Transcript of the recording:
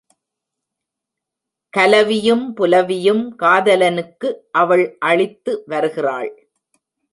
கலவியும் புலவியும் காதலனுக்கு அவள் அளித்து வருகிறாள்.